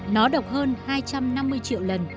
nó độc hơn hai trăm năm mươi triệu lần